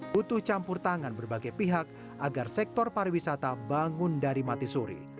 butuh campur tangan berbagai pihak agar sektor pariwisata bangun dari mati suri